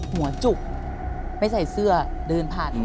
หัวจุกไม่ใส่เสื้อเดินผ่าน